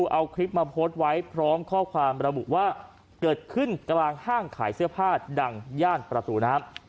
เอาคลิปมาโพสต์ไว้พร้อมข้อความระบุว่าเกิดขึ้นกลางห้างขายเสื้อผ้าดังย่านประตูน้ำ